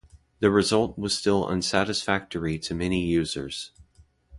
The result was still unsatisfactory to many users.